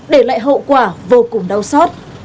để lại hậu quả vô cùng đau xót